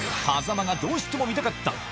風間がどうしても見たかった